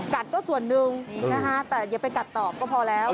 กัดก็ส่วนหนึ่งแต่อย่าไปกัดต่อก็พอแล้ว